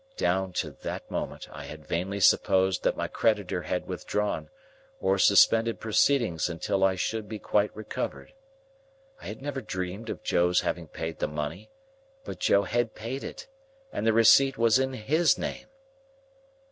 Down to that moment, I had vainly supposed that my creditor had withdrawn, or suspended proceedings until I should be quite recovered. I had never dreamed of Joe's having paid the money; but Joe had paid it, and the receipt was in his name.